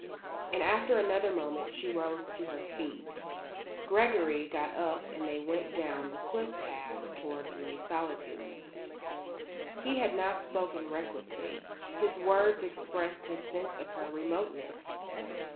And after another moment she rose to her feet. Gregory got up and they went down the cliff path towards Les Solitudes. He had not spoken recklessly. His words expressed his sense of her remoteness.